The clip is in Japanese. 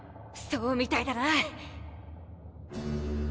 そうみたいだな！！